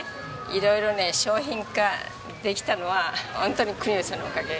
色々ね商品化できたのはホントに国吉さんのおかげ。